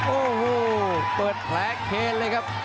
โอ้โหเปิดแผลเคนเลยครับ